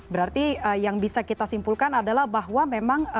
berarti yang bisa kita simpulkan adalah bahwa memang